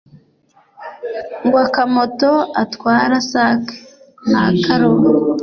Ngw’akamoto atwara s’ake n’akaroba